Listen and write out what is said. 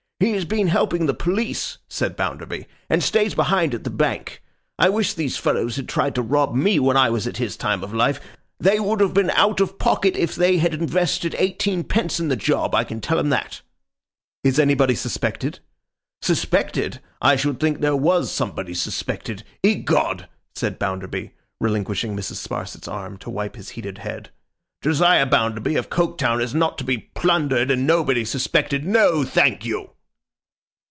'He has been helping the police,' said Bounderby, 'and stays behind at the Bank. I wish these fellows had tried to rob me when I was at his time of life. They would have been out of pocket if they had invested eighteenpence in the job; I can tell 'em that.' 'Is anybody suspected?' 'Suspected? I should think there was somebody suspected. Egod!' said Bounderby, relinquishing Mrs. Sparsit's arm to wipe his heated head. 'Josiah Bounderby of Coketown is not to be plundered and nobody suspected. No, thank you!